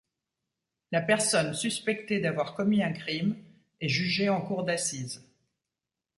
La personne suspectée d'avoir commis un crime est jugée en cour d'assises.